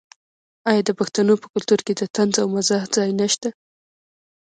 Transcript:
آیا د پښتنو په کلتور کې د طنز او مزاح ځای نشته؟